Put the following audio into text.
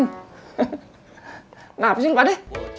gak apa apa sih lu pade